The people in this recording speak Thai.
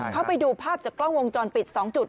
เขาไปดูภาพจากกล้องวงจรปิด๒จุด